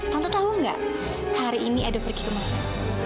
tante tahu nggak hari ini edo pergi ke mana